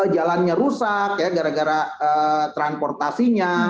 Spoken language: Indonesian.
jalannya rusak ya gara gara transportasinya